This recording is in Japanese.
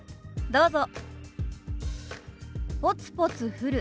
どうぞ。